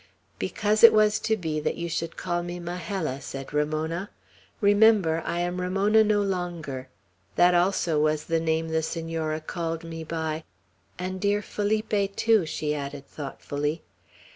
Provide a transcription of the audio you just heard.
"Because it was to be that you should call me Majella," said Ramona. "Remember, I am Ramona no longer. That also was the name the Senora called me by and dear Felipe too," she added thoughtfully.